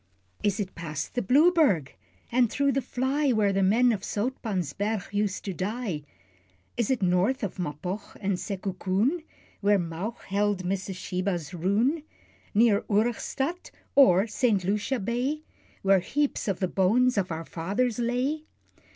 Is it past the Blueberg, and through the fly, Where the men of Zoutpansberg used to die? Is it north of Mapog or Sekookoon, Where Mauch beheld Mrs. Sheba's "Roon?" Near Origstadt or St. Lucia's Bay, Where heaps of the bones of our fathers lay?